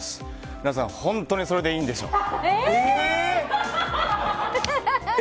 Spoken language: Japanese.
皆さん本当にそれでいいんですか？